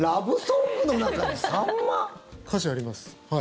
歌詞、あります。